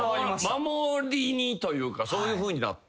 守りにというかそういうふうになってんのかな。